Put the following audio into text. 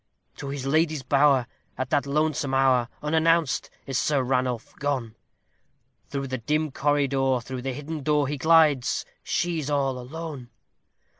To his lady's bower, at that lonesome hour, unannounced, is Sir Ranulph gone; Through the dim corridor, through the hidden door, he glides she is all alone!